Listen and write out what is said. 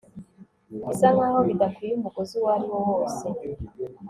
bisa nkaho bidakwiye umugozi uwo ariwo wose